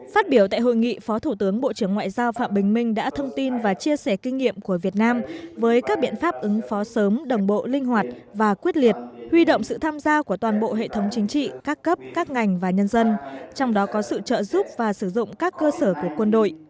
phát biểu tại hội nghị phó thủ tướng bộ trưởng ngoại giao phạm bình minh đã thông tin và chia sẻ kinh nghiệm của việt nam với các biện pháp ứng phó sớm đồng bộ linh hoạt và quyết liệt huy động sự tham gia của toàn bộ hệ thống chính trị các cấp các ngành và nhân dân trong đó có sự trợ giúp và sử dụng các cơ sở của quân đội